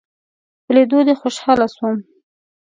په ليدو دې خوشحاله شوم